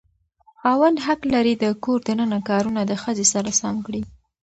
خاوند حق لري د کور دننه کارونه د ښځې سره سم کړي.